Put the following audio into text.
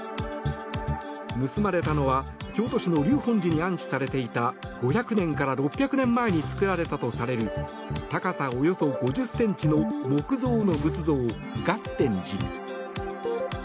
盗まれたのは京都市の立本寺に安置されていた５００年から６００年前に作られたとされる高さおよそ５０ｃｍの木造の仏像月天子。